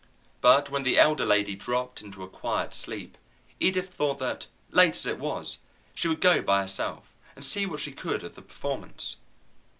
But when the elder lady dropped into a quiet sleep, Edith thought that, late as it was, she would go by herself, and see what she could of the performance.